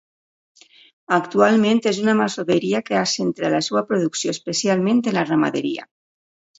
Actualment és una masoveria que ha centrat la seva producció especialment en la ramaderia.